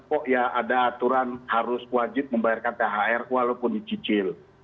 kok ya ada aturan harus wajib membayarkan thr walaupun dicicil